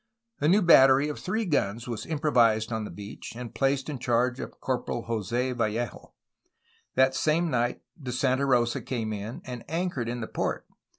A new battery of three guns was improvised on the beach, and placed in charge of Corporal Jos6 Vallejo. That same night the Santa Rosa came in, and anchored in the port.